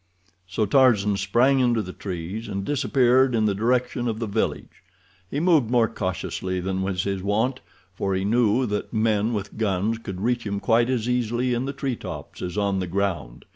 So Tarzan sprang into the trees and disappeared in the direction of the village. He moved more cautiously than was his wont, for he knew that men with guns could reach him quite as easily in the treetops as on the ground.